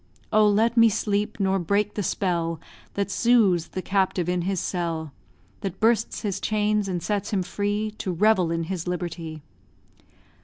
Oh, let me sleep! nor break the spell That soothes the captive in his cell; That bursts his chains, and sets him free, To revel in his liberty.